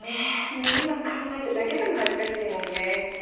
もう今考えただけでも恥ずかしいもんね。